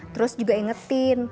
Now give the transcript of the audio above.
terus juga ingetin